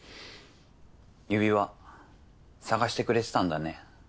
指輪捜してくれてたんだね。